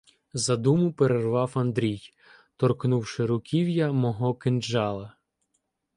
Задуму перервав Андрій, торкнувши руків'я мого кинджала.